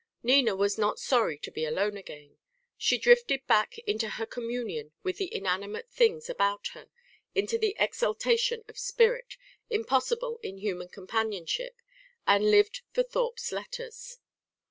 Nina was not sorry to be alone again. She drifted back into her communion with the inanimate things about her, into the exaltation of spirit, impossible in human companionship, and lived for Thorpe's letters.